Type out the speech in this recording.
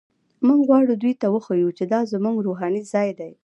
موږ غواړو دوی ته وښیو چې دا زموږ روحاني ځای دی.